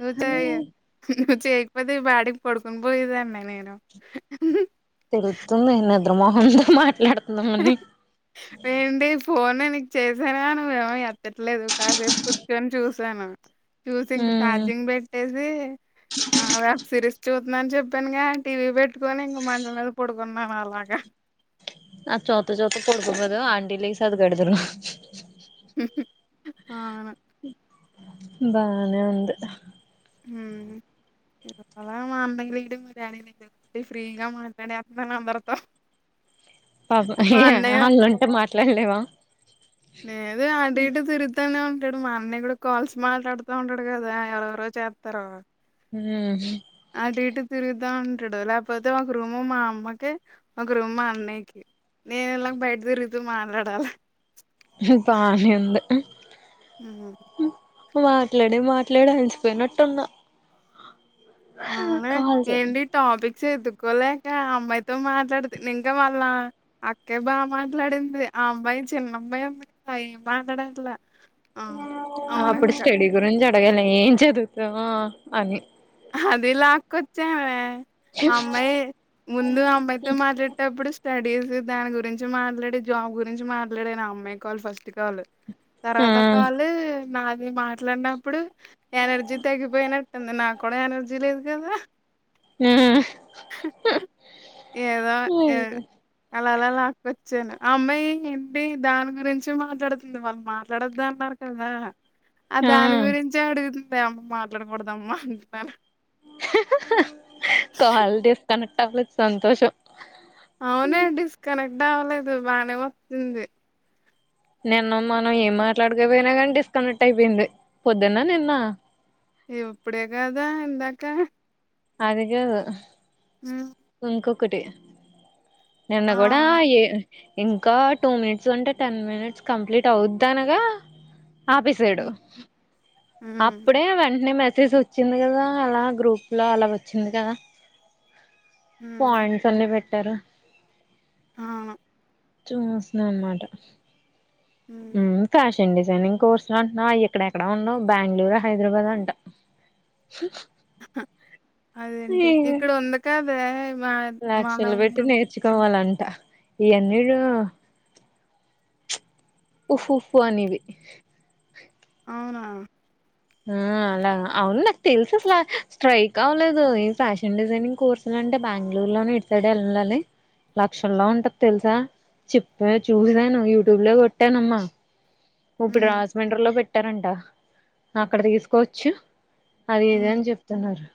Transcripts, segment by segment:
ను చ ఎ నువు చేయక పోతే బ అంటే పడుకో న్ పోయేదాన్ని నేను ఉ చ్రమోహన్ తో మాట్లాడ త్ మహేందీప్ ఏంటి ఫోనే నీకు చేసానా నువ్వేమో ఎత్తట్లేదు కాసేపు కూర్చుని చూసాను చూసి ఇంక ఉమ్ చార్జింగ్ పెట్టేసి ఆ వెబ్ సిరీస్ చూత్ చూస్తున్నాన్ అని చెప్పానుగా టీవీ పెట్టుకొని ఇంక మంచ మీద పడుకున్నాను అలాగా ఆ చోత్త చౌ త్త పోనుకున్నారు ఆంటి లెగిసి గడదరు ఆ బానే ఉంది ఇయ్యాల మా అన్నయ్య రీడింగ్ లో కాబట్టి ఫ్రీగా మాట్లాడేతున్నాను అందరితో ఆ పాపం మా అయ్యో అన్నయ్య వాళ్ళుంటే మాట్ అట్లా ఎం లేవా లేదు అటూ ఇటూ తిరుగుతానే ఉన్ టడు మా అన్నయ్య కూడా కాల్స్ మాట్లాడుతూ ఉంటాడు కదా ఎవరెవరో చేస్తరూ హ్మ అటు ఇటు తిరుగుతా ఉంటడు లేకపోతే ఒక రూము మా అమ్మకి ఒక రూమ్ మా అన్నయకి నేను ఇలాగ బయట తిరుగుతూ మాట్లాడాల బానే ఉంది ఊహూ మాట్లాడి మాట్లాడి అలిసిపోయినట్టున్న ఆ అరే ఏంటి టాపిక్ చదువుకోలేక అమ్మాయితో మాట్లాడుతు నింగా మళ్ళా అక్కే బాగా మాట్లాడింది ఆ అమ్మాయి చిన్నమ్మాయి అమ్మాయి ఏం మాట్లాడట్లా ఆ అప్పుడు అవునక్క స్టడీ గురించి భయం లే ఏం చదువుతవో అని అది లాక్కొచ్చామే అమ్మాయి ముందు అమ్మాయితో మాట్లాడేటప్పుడు స్టడీస్ దాని గురించి మాట్లాడే జాబ్ గురించి మాట్లాడే నా అమ్మాయి కాల్ ఫస్ట్ కాల్ ఆ తర్వాత కాల్ నాది మాట్లాడినప్పుడు కూడా ఎనర్జీ లేదు కదా ఆ ఏదో ఏదొ అలాలాలాకొచ్ వచ్చేను అమ్మాయి ఏంటి దాని గురించి మాట్లాడుతుంది వాళ్ళు మాట్లాడొద్దు అన్నారు కదా ఆ దాని గురించే అడుగుతు ఏమ్మ మాట్లాడకూడదమ్మా నాన్న కాల్ డిస్కనెక్ట్ అవ్వలేద్ సంతోషం అవునే డిస్కనెక్ట్ టవలేదు బానే వత్తుంది నిన్న మనం ఏం మాట్లాడకపోయినా కాని డిస్కనెక్ట్ అయిపోయింది పొద్దున్న నిన్నా ఏం ఇప్పుడే గదా ఇందాక అది గాదు ఊ ఇంక్ కోకటే నిన్న ఆ! కూడా ఏ ఇంకా టూ మినిట్స్ అంటే టెన్ మినిట్స్ కంప్లీట్ అవుద్దా అనగా ఆపేసాడు హ్మ్. హ్మ్. అప్పుడే వెంటనే మ ఇచ్చేసి వచ్చింది కదా అలా గ్రూప్లో అలా వచ్చింది కదా హ్మ్. పాయింట్స్ అన్ని బెట్ట్ ఉంటారు అవును. చూస్తున్నా అన్నమాట అ పెన్నింగ్ పెన్నింగ్ కోర్సు లో అంటున్నా ఇక్కడెక్కడ ఉన్నావు బెంగళూరు హైదరాబాద్ అంట అదేంటి ఇక్కడ ఉందక తేప్ లాక్షలు పెట్టి నేర్చుకోనివాలంట ఎయన్నిరు ఉఫ్ఫ్ ఉఫు అనేవి అవునా ఆ అలా అవును నాకు తెలుసా అసలా స్ట్రైక్ అవ్వలేదు ఈ ఫ్యాషన్ డిజైనింగ్ కోర్సులు అంటే బెంగళూరులోనే ఇతాడు వెళ్ళాలి లక్షల్లో ఉంటంది తెలుసా చెప్పా చూసాను యూట్యూబ్ లో కొట్టానమ్మా ఇప్పుడు హ్మ్. రాజమండ్రి లో పెట్ పెట్టారంట అక్కడ తీసుకోవచ్చు అది ఇద హ్మ్. అని చెప్తున్నారు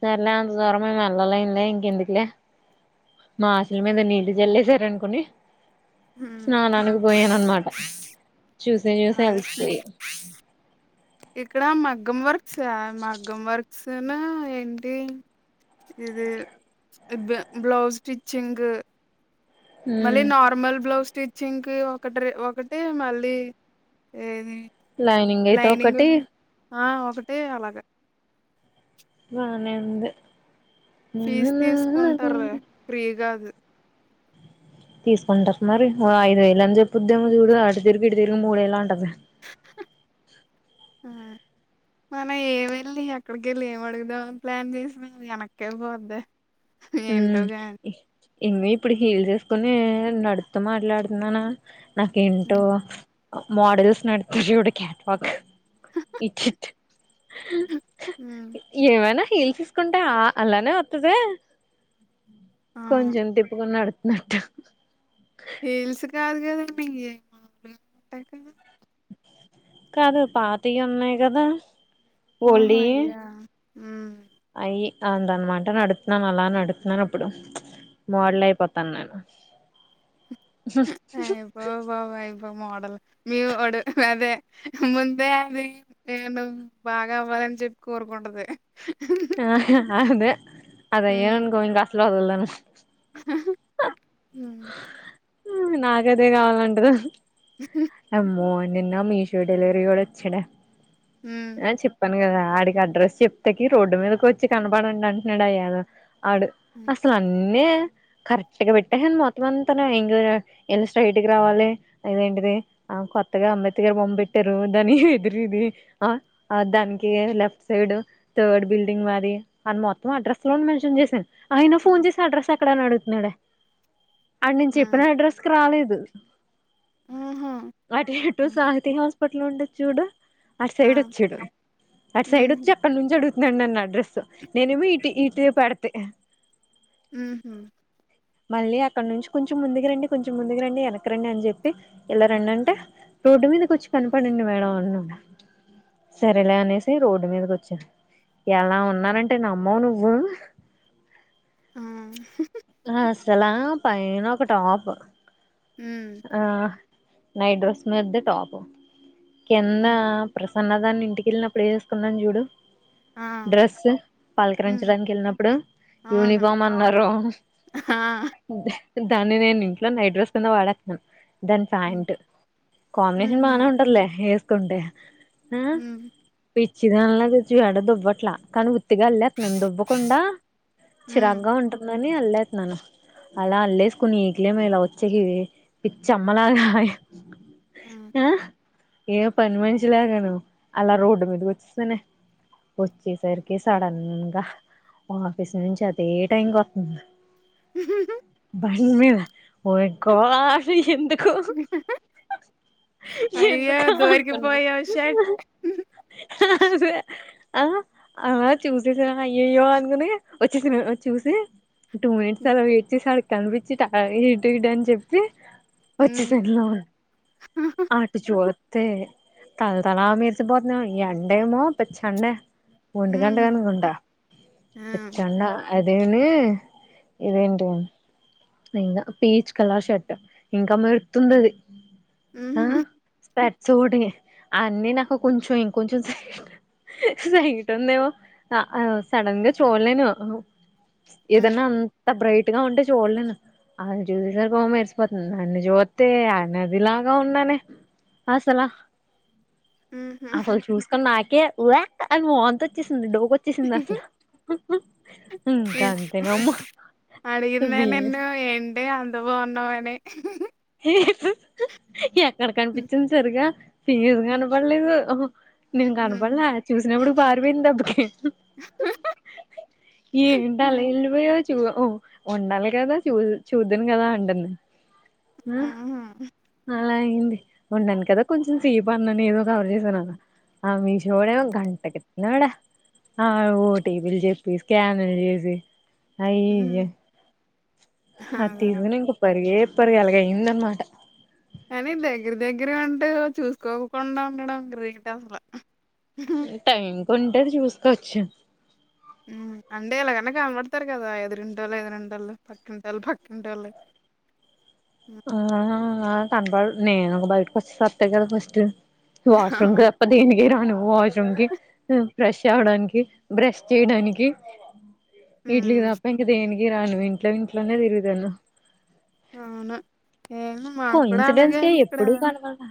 సరలే అంత దూరం మల్లాలయిందే. ఇంకెందుకులే మా ఆశల మీద నీళ్లు చల్లేసారు అనుకోని హ్మ్. స్నానానికి పోయాను అనమాట చూసే చూసే అదే అలిసిపోయి సేమ్ మగ్గం వర్క్స్సాను ఏంటి ఇది బ్లౌజ్ స్టిచ్చింగ్ మళ్ళీ నార్మల్ బ్లౌజ్ స్టిచ్చింగ్ కి ఒకటి రెం ఒకటి మళ్ళీ ఏది లైనింగ్ అయితే లైనింగ్ ఒకటి ఆ ఒకటి అలాగ బానే ఉంది ఫీజు తీసుకుంటారు ఫ్రీగాదు తీసుకుంటారు మరి ఓ ఐదు వేలు అని చెప్పొద్దేమో చూడు అటు తిరిగి ఇటు తిరిగి మూడు వెలు అంటది ఆ, మనం ఏం వెళ్ళి అక్కడికి వెళ్ళి ఏం అడుగుదామ అని ప్లాన్ చేసినా వెనక్కి వెళ్ళిపోద్దే హ్మ్ ఇంగా ఇప్పుడు హీల్స్ ఎసుకోని నడుతూ మాట్లాడుతున్నానా నాకేంటో మోడల్స్ నతడు చూడు కట్వాక్ ఇట్ట్ ఉమ్ ఏమనా గేల్స్ ఏసుకుంటే అలానే వతదా ఆ కొంచం తిప్పుకున్నాడు నట్ట హీల్స్ కాదు కదండి ఇ ఎంటైపోయినయ్ కాదు పాతయి ఉన్నాయి కదా ఆహా ఓల్డియి ఆయా హ్మ్ అయి అందనమాట నడుతున్నాను అలా నడుతున్నాను అప్పుడు మోడలు అయిపోతాను నేను ఆ ఐపో బాబు ఐపో మోడల్ మీ ఓడు అదే ముందే అది నేను బాగా అవ్వాలని చెప్పి కోరుకుంటది ఆ అదే అది అయ్యను ఉమ్ అనుకో ఇంకా ఆసలు వద్దలుదు బ ఉమ్ ఆ నాగదే కావాలంటదా అమ్మో నిన్న మీషో డెలివరీ వాడు వచ్చాడా ఉమ్ ఆ చెప్పు కదా ఆడికి అడ్రస్ చెప్తేకి రోడ్డు మీదకి వచ్చి కనపడండి అంటున్నాడు అయ్యాద ఆడు ఉమ్ అసలు అన్నీ కరెక్ట్ గా పెట్ ఎహెన్ మొత్తం అంతా ఇం ఇలా స్ట్రెయిట్ట్ గా రావాలి అదేంటిది ఆ కొత్తగా అంబేద్కర్ బొమ్మ పెట్టారు దాని ఎదురుది ఆ దానికి లెఫ్ట్ సైడ్ థర్డ్ బిల్డింగ్ మాది అని మొత్తం అడ్రస్ లో మెన్షన్ చేసాను అయినా ఫోన్ చేసి అడ్రస్ ఎక్కడ అడుగుతున్నాడే ఆడు నేను చెప్పిన ఉమ్ అడ్రస్ కి రాలేదు. ఆహా [unintelligible] అటు ఇటు సాహితీ హస్ స్పిటల్ ఉంటది చూడు. అటు ఆ సైడ్ వచ్చాడు అటు సైడ్ ఉహు వచ్చి అక్కడ నుంచి అడుగు నన్ను నా అడ్రెస్సు నేనెమో ఇటు ఇటు పెడితే హుహ్ మళ్ళీ అక్కడ నుంచి కొంచెం ముందుకు రండి, కొంచెం ముందుకు రండి, వెనకకు రండి అని చెప్పి ఇలా రండి అంటే రోడ్డు మీదకి వచ్చి కనపడండి మేడం అన్నాడు. సరేలే అనేసి రోడ్డు మీదకి వచ్చాను. ఎలా ఉన్నానంటే నమ్మవు నువ్వు ఆ అలా పైన ఒక టాప్ ఉమ్ ఆ నైట్ డ్రెస్ మీద్ది టాప్ కింద ఉమ్ ప్రస్ సన్నదాని ఇంటికెళ్ళినప్పుడు ఎసుకున్నాను చూడు ఆ డ్రెస్ ఉమ్ పలకరించడానికి ఎళ్ళినప్పుడు అవును యూనిఫామ్ అన్నారు. ఆ అంతే దాన్ని నేను ఇంట్లో నైట్ డ్రెస్ కింద వాడెతున్నాను. దాని ఉమ్, ప్యాంట్ కాంబినేషన్ ఉహు బానే ఉంటదిలే ఎసు ంటే. ఆ ఉమ్ పి చ్చిదానిలాగా వచ్చి వడ దొబ్బట్లా కను పత్తిగాళ్ళా నన్ను దొబ్బకుండా ఉమ్ చిరాగ్గా ఉంటుం అతన్ని అల్లెతున్నాను. అలా అల్లేసుకుని ఈట్లేమో ఇలా వచ్చేసి పిచ్చి అమ్మలాగా ఆ ఏ పని మనిషి లాగనో అలా రోడ్డు మీదకి వచ్చేసానే. వచ్చేసరికి సడన్ గా మా ఆఫీస్ నుంచి అదే టైం కి వస్తుంది. బుమ్మిదా ఎమై గా [inaudible] ఎం దుకు అయ్యో ఎందుకా అనుకున్నాం. దొరికిపోయావ్ షట్ ఆహా అలా చూసేసిన అయ్యయ్యో అనుకుని వచ్చేసిన చూసి టూ మినిట్ అలా వేట్ చేసాడు. కనిపిచ్చి ట ఆ ఇటు ఇటు అని చెప్పి ఉమ్ వచ్చేసాడు లోన ఉహు అటు చూడ తే తలతలా మెరిసిపోతున్నా ఎండేమో పిచ్చండే ఒంటి గంట కనుకుంట ఆ పచ్చెండ అదేను ఇదేంటి ఇంకా పీచ్ కలర్ షర్ట్ ఇంకా మెరుతుందది హ ఉహు స్ప చూడే అన్నీ నాకు కొంచెం ఇంకొంచెం సైట్ సైట్ ఉందేమో సడన్ గా చూడలేను ఉమ్ ఏదన్నన్ అంత బ్రైట్ గా ఉంటే చూడలేను అ చూసేసరి గ మరిసిపోతుంది నన్ను చూత్తే ఆ నదిలాగా ఉన్నానే అసలా ఉహు అసలు చూసుకని నాకే యా ఉవ్యక్ అని వంతోచేస్తు డోక వచ్చిసిందసల ఇంకాంతేనమ్మ అడిగిందా నిన్ను ఏంటే అంత బాగున్నావని ఎదు ఎక్ ఉమ్ ఎక్కడకనిపించింది సరిగా ఫీజ్ కనపడలేదు నేను ఉమ్ కనపడలా చూసినప్పుడు పారిపోయింది దెబ్బకి ఏంటి అలా వెళ్ళిపోయవ్ చూ ఉండాలి కదా చూ చూద్దను కదా అంటని మ్మ్ ఉహు అలా అయింది ఉండండి కదా కొంచెం సేపు అన్నని ఏదో కవర్ చేసానున్న ఆ మీషో వాడేమో గంటకెత్తనాడా ఆ ఓ టీబలు చెప్పి స్కాన్లు చేసి అయి ఉమ్ అ అదా తీసునింక ప్పరిగే పరుగాల అయిందన్మాట కానీ దగ్గర దగ్గర ఉంటే చూసుకోకుండా ఉండడం గ్రేట్ అసల టైమ్ కొంటరి చూసుకోవచ్చు మ్మ్ అంటే ఎలాగన్నా కనపడతారు కదా ఎదురింటోళ్ళు ఎదురింటోళ్ళు పక్కింటోళ్ళు పక్కింటోళ్ళు హ్మ్. ఆ తన బడు నేను ఒక బయటకి వస్తే సత్తే కదా ఫస్ట్ వాష్రూమ్ కి తప్ప దీనికి రాను వాష్రూమ్ కి ఫ్రష్ అవడానికి బ్రష్ చేయడానికి వీట్లికి హ్మ్. తప్ప ఇంక దేనికి ఇ రాను వింట్లొ వింట్లోనే తిరుగుదను అవున కో ఇన్సిడెన్స్ గా ఎప్పుడు కనవల్లా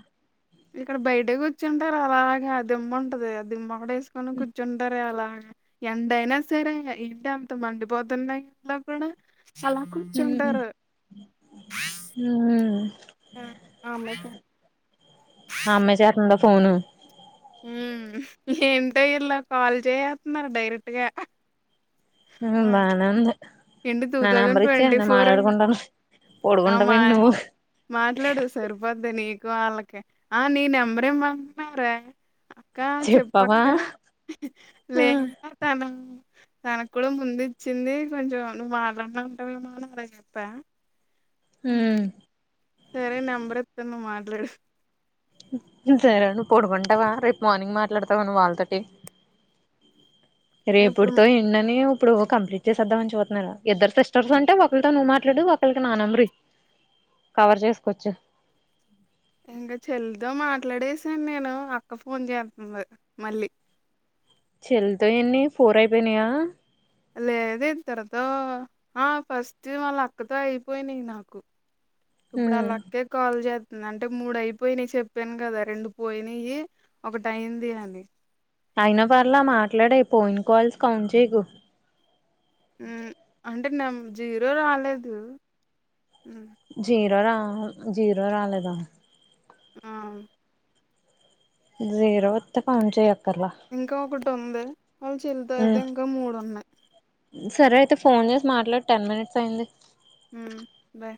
ఇక్కడ బయట కూచ్చుంటారు అలాగే ఆ దిమ్మ ఉంటది. అ దిమ్మకడె స్కొను కుచ్చుంటారే అలా ఎండయినా సరే ఇంటి అంత మండిపోతున్నా ఇంట్లో కూడా అలా మ్ హ్మ్ కూర్చుంటారు. మ్మ్ ఆ ఆమెకు అమ్మే యే చేతందో పోను హ్మ్ ఏంటో ఇలా కాల్ చేయేత్తున్నారు డైరెక్ట్ గా మ్ బానంది ఏంది టూ థౌజండ్ ట్వంటీ ఫోర్ మాట్లాడుకుంటాను ఆ మా పడుకుంటావేంటి నువ్వు మాట్లాడు సరిపోద్ది నీ కు వాళ్ళకి ఆ నీ నంబరీ మంటున్నావ్ రా కా చెప్పవా చెప్పక్క లే హ్మ్ వినపడుతంది మ్మ్ తనక్కూడా ముందు ఇచ్చింది కొంచెం నువ్వు వాళ్ళంబడి ఉంటావేమో అని అలా జెప్ప్యా మ్మ్ సరే నంబర్ ఇత్త ను మాట్లాడు సరే నువ్వు పోడుకుంటావా రేపు మార్నింగ్ మాట్లాడతావా నువ్ వాళ్తోట్టి ఇప్పుడు రేపుడుతో ఎండని ఇప్పుడు కంప్లీట్ చేసేద్దామని చూతున్నాన్, ఇద్దరు సిస్టర్స్ అంటే ఒకళ్ళతో నువ్వు మాట్లాడు ఒకళ్ళకి నా నంబర్ ఇయ్ కవర్ జేసుకోవచ్చు. ఇంగ చెల్లితో మాట్లాడేసాన్ నేను అక్క ఫోన్ చేతంది మళ్ళీ చెల్లితో ఎన్ని ఫోర్ అయిపోయినయా లేదు ఇద్దరితో ఆ ఫస్ట్ వాళ్ళ అక్కతో అయిపోయినయ్ నాకు ఇప్పుడు హ్మ్ ఆళ్లక్కె కాల్ జే నంటే మూడు అయిపోయినాయి చెప్పాను కదా రెండు పోయినయి ఒకటి అయింది అని అయినా పర్లా మాట్లాడేయ్ ఫోన్ కాల్స్ ని కౌంట్ చేయ్ కు మ్మ్ అంటే నమ్ జీరో రాలేదు మ్ జే రో రా జీరో రాలేదా అవున్ జీరో వత్తే పని చేయద్ ఇంకా ఒకటుంది వాళ్ళ చెల్లితో అయితె ఇంకా మూడున్నాయ్ సరే అయితె ఫోన్ జేసి మాట్లాడు టెన్ మినిట్స్ అయింది హ్మ్ బాయ్